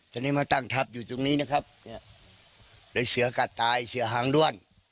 จะได้มาตั้งทัพอยู่ตรงนี้นะครับเสือกาตายเสือหางด้วน